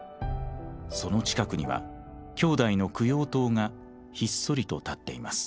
その近くには兄弟の供養塔がひっそりと立っています。